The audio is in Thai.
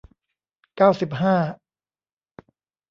เก้าสิบห้า